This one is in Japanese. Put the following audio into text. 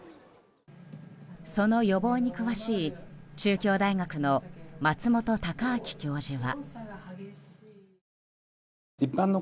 その予防に詳しい中京大学の松本孝朗教授は。